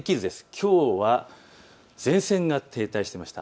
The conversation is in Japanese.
きょうは前線が停滞していました。